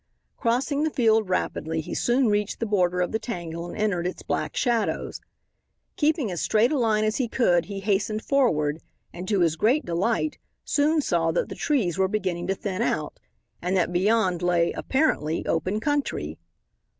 Crossing the field rapidly he soon reached the border of the tangle and entered its black shadows. Keeping as straight a line as he could he hastened forward, and to his great delight, soon saw that the trees were beginning to thin out, and that beyond lay, apparently, open country.